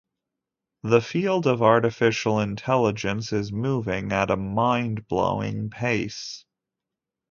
The field of artificial intelligence is moving at a mind-blowing pace.